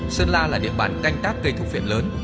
sơn la là địa bàn canh tác cây thúc viện lớn